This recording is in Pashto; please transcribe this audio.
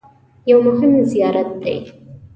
یو مهم زیارت دی.